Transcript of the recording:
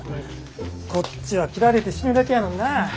こっちは斬られて死ぬだけやのになあ。